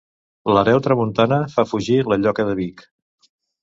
L'hereu Tramuntana fa fugir la lloca de Vic.